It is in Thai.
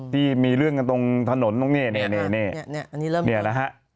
ที่มีเรื่องกันตรงถนนตรงนี้เนี่ยนะฮะ